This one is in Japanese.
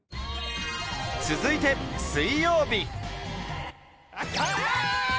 続いて水曜日。